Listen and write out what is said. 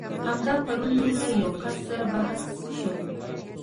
همدا پرون مې له يو کس سره بحث شو.